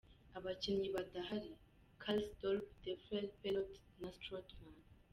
Abakinnyi badahari: Karsdorp ,Defrel, Perott, Strootman.